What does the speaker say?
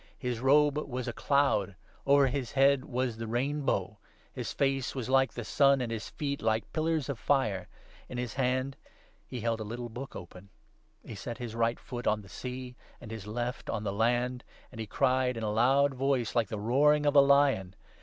His robe was a cloud ; over his head was the rainbow ; his face was like the sun, and his feet like pillars of fire ; in his hand he held a little book open. He set his right foot on the sea, and his left on the land ; and he cried in a loud voice like the roaring of a lion.